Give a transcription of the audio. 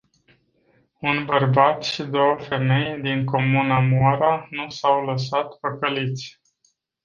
Un bărbat și două femei din comuna Moara nu s-au lăsat păcăliți.